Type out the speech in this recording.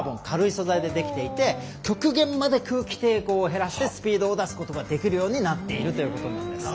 軽い素材でできていて、極限まで空気抵抗を減らしてスピードを出すことができるようになっているんです。